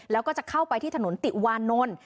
แล้วก็จะเข้าไปที่ถนนติวานนท์